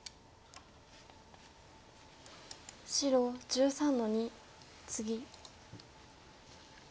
白１３の二ツギ。